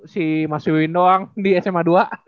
si mas wiwi doang di sma dua